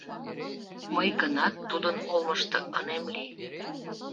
— Мый гынат тудын олмышто ынем лий...